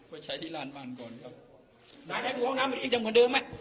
ก็ใช้ที่ร้านบ้านก่อนครับนายนายดูห้องน้ำมันอีกจังเหมือนเดิมไหม